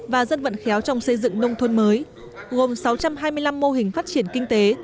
và dân vận khéo trong xây dựng nông thôn mới gồm sáu trăm hai mươi năm mô hình phát triển kinh tế